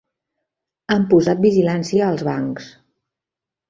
Han posat vigilància als bancs.